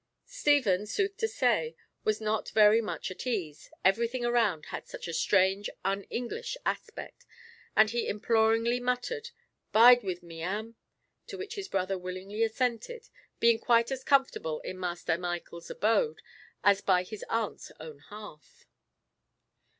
Stephen, sooth to say, was not very much at ease; everything around had such a strange un English aspect, and he imploringly muttered, "Bide with me, Am!" to which his brother willingly assented, being quite as comfortable in Master Michael's abode as by his aunt's own hearth.